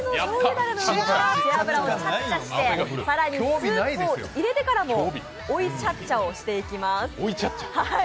だれの上から背脂をチャッチャして更にスープを入れてからも追いチャッチャしていきます。